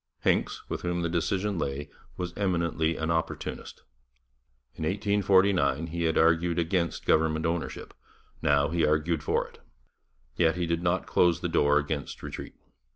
Hincks, with whom the decision lay, was eminently an opportunist. In 1849 he had argued against government ownership; now he argued for it. Yet he did not close the door against retreat.